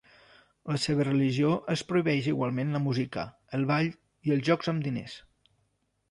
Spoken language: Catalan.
La seva religió els prohibeix igualment la música, el ball i els jocs amb diners.